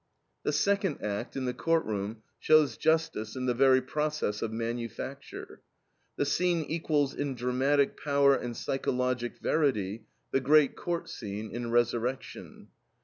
The second act, in the court room, shows Justice in the very process of manufacture. The scene equals in dramatic power and psychologic verity the great court scene in RESURRECTION.